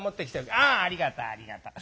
ああありがとうありがとう。